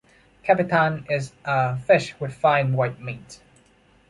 Capitaine is a fish with fine, white meat.